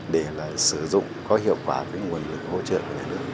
để sử dụng có hiệu quả nguồn lực hỗ trợ của nhà nước